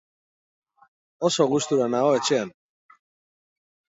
oso gustura nago etxean